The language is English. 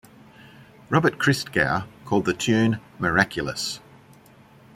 Robert Christgau called the tune "miraculous".